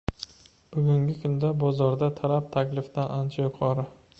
Bugungi kunda, boorda talab taklifdan ancha yuqori.